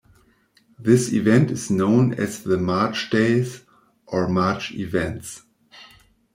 This event is known as the March Days or March Events.